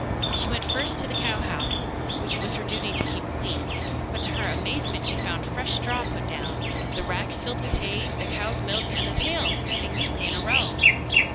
She went first to the cow house, which it was her duty to keep clean, but to her amazement she found fresh straw put down, the racks filled with hay, the cows milked, and the pails standing neatly in a row.